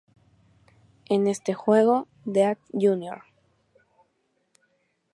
En este juego, Death Jr.